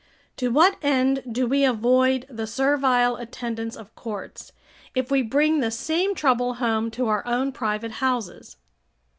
To what end do we avoid the servile attendance of courts, if we bring the same trouble home to our own private houses?